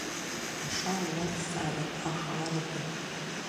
Ашара иацзаарын ахаарагьы.